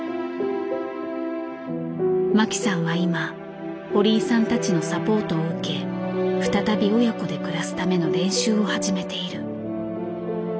マキさんは今堀井さんたちのサポートを受け再び親子で暮らすための練習を始めている。